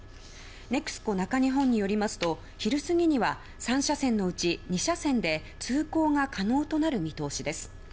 ネクスコ中日本によりますと昼過ぎには３車線のうち２車線で通行が可能となる見通しです。